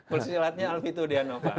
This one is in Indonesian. pesilatnya alvi tudiano